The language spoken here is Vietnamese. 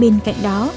bên cạnh đó